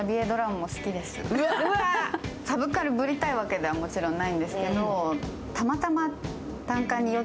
サブカルぶりたいわけではもちろんないわけなんですけれど。